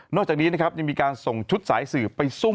นอกจากนี้ยังมีการส่งชุดสายสื่อไปซุ่ม